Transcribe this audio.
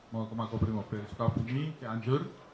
mau ke makobrimob dari sukabumi ke cianjur